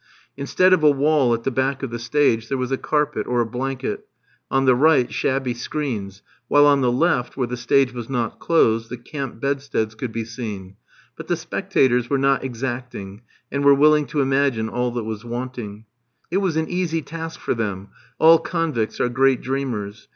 Instead of a wall at the back of the stage, there was a carpet or a blanket; on the right, shabby screens; while on the left, where the stage was not closed, the camp bedsteads could be seen; but the spectators were not exacting, and were willing to imagine all that was wanting. It was an easy task for them; all convicts are great dreamers.